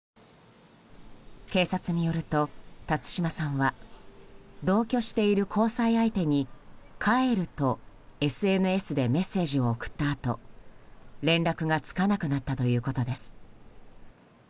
警察によると辰島さんは同居している交際相手に帰るとＳＮＳでメッセージを送ったあと連絡がつかなくなったということです。